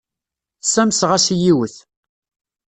Ssamseɣ-as i yiwet.